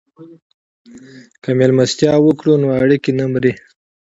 که مېلمستیا وکړو نو اړیکې نه مري.